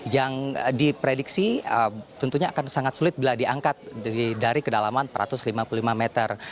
yang diprediksi tentunya akan sangat sulit bila diangkat dari kedalaman empat ratus lima puluh lima meter